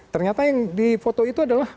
ternyata yang di foto itu adalah